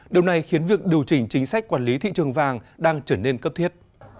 điều này khiến việc điều chỉnh chính sách quản lý thị trường vàng đang trở nên cấp thiết